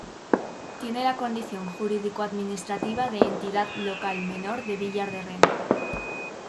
Tiene la condición jurídico-administrativa de Entidad Local Menor de Villar de Rena.